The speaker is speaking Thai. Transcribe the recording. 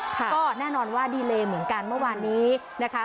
ก็แน่นอนว่าดีเลเหมือนกันเมื่อวานนี้นะคะ